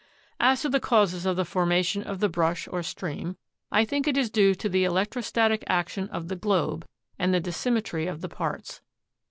'*As to the causes of the formation of the brush or stream, I think it is due to the electrostatic action of the globe and the dissymmetry of the parts.